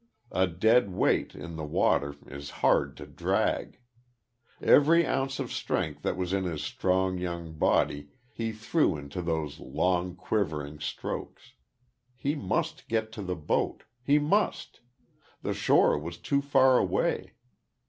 A dead weight, in the water, is hard to drag. Every ounce of strength that was in his strong, young body he threw into those long, quivering strokes. He must get to the boat! He must! The shore was too far away....